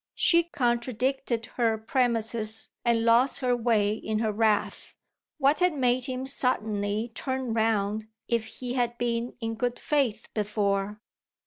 She contradicted her premises and lost her way in her wrath. What had made him suddenly turn round if he had been in good faith before?